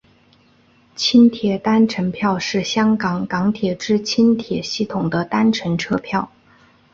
轻铁单程票是香港港铁之轻铁系统的单程车票。